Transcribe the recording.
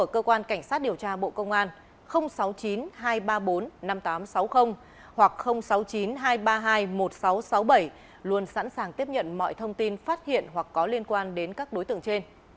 cơ quan cảnh sát điều tra bộ công an sáu mươi chín hai trăm ba mươi bốn năm nghìn tám trăm sáu mươi hoặc sáu mươi chín hai trăm ba mươi hai một nghìn sáu trăm sáu mươi bảy luôn sẵn sàng tiếp nhận mọi thông tin phát hiện hoặc có liên quan đến các đối tượng trên